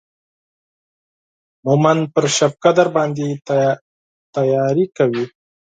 مهمند پر شبقدر باندې تیاری کوي.